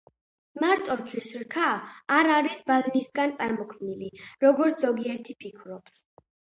მარტორქის რქა არ არის ბალნისგან წარმოქმნილი, როგორც ზოგიერთი ფიქრობს.